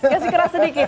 kasih keras sedikit